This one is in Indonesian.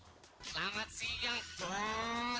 selamat siang bos